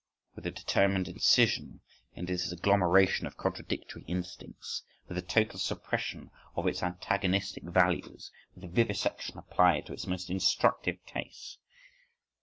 With a determined incision into this agglomeration of contradictory instincts, with the total suppression of its antagonistic values, with vivisection applied to its most instructive case.